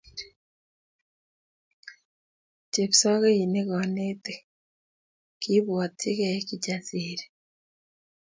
Chepsokeinik konetik, kiibwatyikei Kijasiri